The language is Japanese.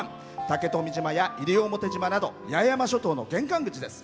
竹富島や西表島など八重山諸島の玄関口です。